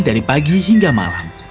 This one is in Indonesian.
dari pagi hingga malam